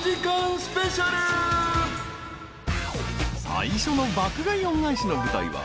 ［最初の爆買い恩返しの舞台は］